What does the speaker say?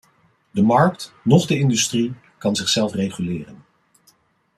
De markt noch de industrie kan zichzelf reguleren.